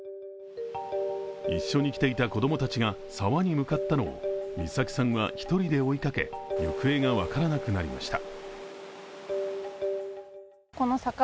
一緒に来ていた子供たちが沢に向かったのを美咲さんは一人で追いかけ行方が分からなくなりました。